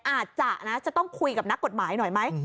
อาจจะนะจะต้องคุยกับนักกฎหมายหน่อยไหม